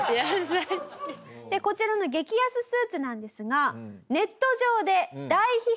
でこちらの激安スーツなんですがえっ？